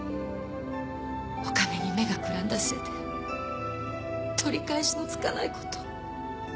お金に目が眩んだせいで取り返しのつかないことを。